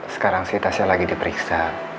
sekarang sih tasya lagi di periksa